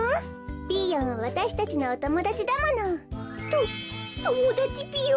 ピーヨンはわたしたちのおともだちだもの。とともだちぴよ。